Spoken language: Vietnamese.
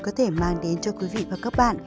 có thể mang đến cho quý vị và các bạn